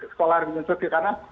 sekolah rekrutmen tokyo karena